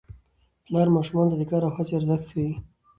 پلار ماشومانو ته د کار او هڅې ارزښت ښيي